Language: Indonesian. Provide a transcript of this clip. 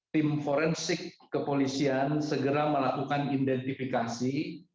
tim forensik kepolisian segera melakukan identifikasi